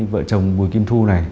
vợ chồng bùi kim thu này